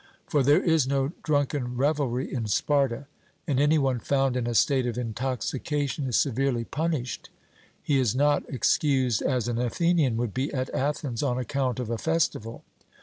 For there is no drunken revelry in Sparta, and any one found in a state of intoxication is severely punished; he is not excused as an Athenian would be at Athens on account of a festival.